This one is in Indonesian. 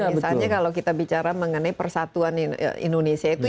misalnya kalau kita bicara mengenai persatuan indonesia itu